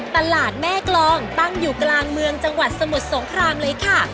ตลาดแม่กรองตั้งอยู่กลางเมืองจังหวัดสมุทรสงครามเลยค่ะ